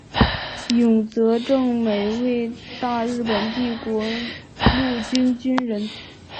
永泽正美为大日本帝国陆军军人。